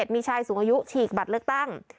มีชายสูงอายุฉีกบัตรเลือกตั้ง